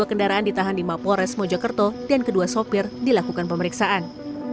dua kendaraan ditahan di mapores mojokerto dan kedua sopir dilakukan pemeriksaan